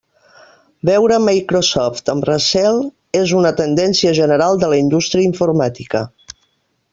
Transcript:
Veure Microsoft amb recel és una tendència general de la indústria informàtica.